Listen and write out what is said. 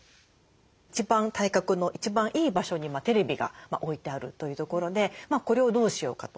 一番対角の一番いい場所にテレビが置いてあるというところでこれをどうしようかと。